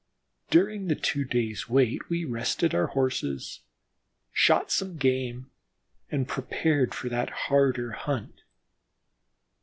During the two days' wait we rested our Horses, shot some game, and prepared for a harder hunt.